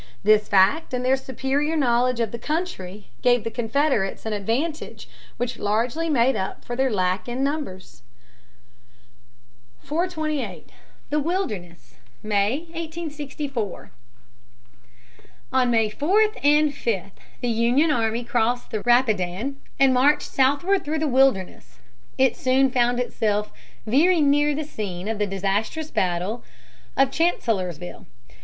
This fact and their superior knowledge of the country gave the Confederates an advantage which largely made up for their lack in numbers. [Sidenote: Battle of the Wilderness, May, 1864.] 428. The Wilderness, May, 1864. On May 4 and 5 the Union army crossed the Rapidan and marched southward through the Wilderness. It soon found itself very near the scene of the disastrous battle of Chancellorsville (p.